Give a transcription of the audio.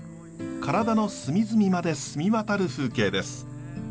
体の隅々まで澄み渡る風景です。